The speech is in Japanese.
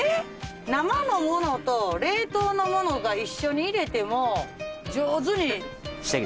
生のものと冷凍のものが一緒に入れても上手に仕上げられる？